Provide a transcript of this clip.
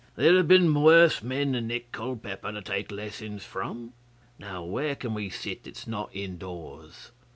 There have been worse men than Nick Culpeper to take lessons from. Now, where can we sit that's not indoors?